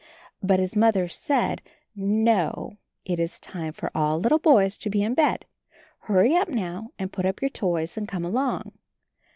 But his Mother said, "No, it is time for all little boys to be in bed; hurry up now and put up your toys and come along."